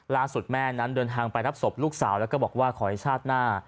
ล่าสุดแม่นั้นเดินทางไปรับศพลูกสาวแล้วก็บอกว่าขอให้ชาติหน้า